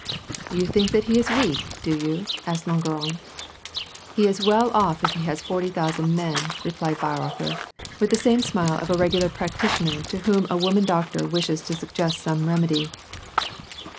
" You think that he is weak, do you ?" asked Langeron. " He ifi well off if he has forty thousand men," replied Wei rother, with the smile of a regular practitioner to whom a woman doctor wishes to suggest some remedy.